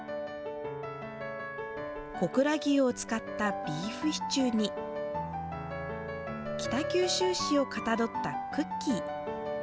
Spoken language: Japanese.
小倉牛を使ったビーフシチューに、北九州市をかたどったクッキー。